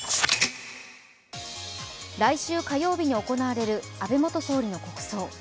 来週火曜日に行われる安倍元総理の国葬。